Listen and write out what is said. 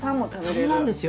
そうなんですよ。